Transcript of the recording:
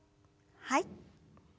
はい。